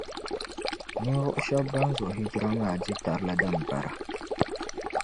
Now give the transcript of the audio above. Ninvuɣu shεba ban zo hijira maa di tarili din bara.